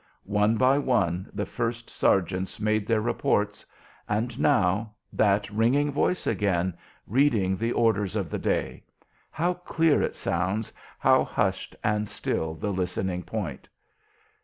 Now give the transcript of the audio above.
One by one the first sergeants made their reports; and now that ringing voice again, reading the orders of the day. How clear it sounds! How hushed and still the listening Point!